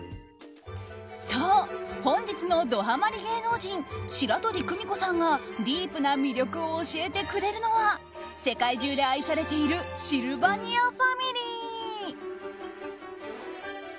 そう、本日のドはまり芸能人白鳥久美子さんがディープな魅力を教えてくれるのは世界中で愛されているシルバニアファミリー。